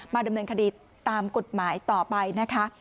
ดำเนินคดีตามกฎหมายต่อไปนะคะ